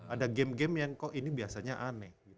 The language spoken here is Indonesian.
ada game game yang kok ini biasanya aneh